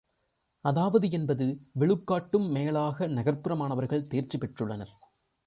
அதாவது எண்பது விழுக்காட்டுக்கும் மேலாக நகர்ப்புற மாணவர்கள் தேர்ச்சி பெற்றுள்ளனர்.